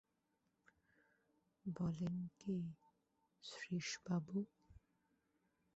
বলেন কী শ্রীশবাবু!